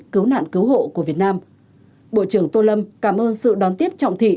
cứu nạn cứu hộ của việt nam bộ trưởng tô lâm cảm ơn sự đón tiếp trọng thị